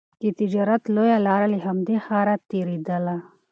د تجارت لویه لاره له همدې ښاره تېرېدله.